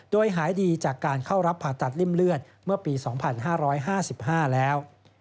โดยหายดีจากการเข้ารับผ่าตัดริ่มเลือดเมื่อปีสองพันห้าร้อยห้าสิบห้าแล้ว